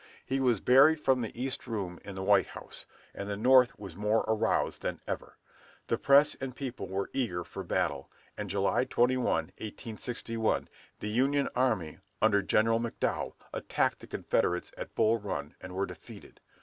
He was buried from the east room in the White House, and the North was more aroused than ever. The press and people were eager for battle, and July 21, 1861, the Union army, under General McDowell, attacked the Confederates at Bull Run and were defeated.